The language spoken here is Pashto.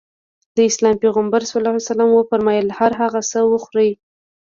د اسلام پيغمبر ص وفرمايل هر هغه څه وخورې.